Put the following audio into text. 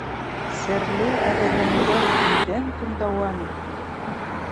Серле әҙерләнеүҙәр көндән көн дауам итте.